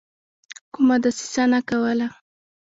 کومه دسیسه نه کوله.